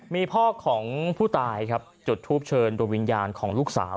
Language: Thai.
มีพ่อของผู้ตายครับจุดทูปเชิญโดยวิญญาณของลูกสาว